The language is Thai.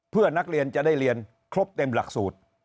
เพื่อนักเรียนจะได้เรียนครบเต็มหลักสูตร